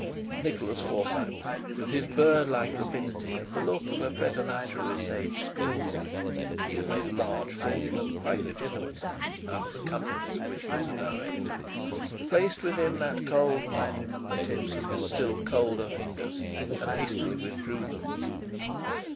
Nicholas Forsyte, with his bird like rapidity and the look of a preternaturally sage schoolboy (he had made a large fortune, quite legitimately, out of the companies of which he was a director), placed within that cold palm the tips of his still colder fingers and hastily withdrew them.